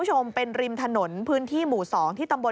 โดดลงรถหรือยังไงครับ